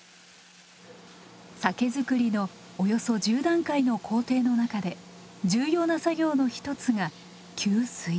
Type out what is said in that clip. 酒造りのおよそ１０段階の工程の中で重要な作業の一つが「吸水」。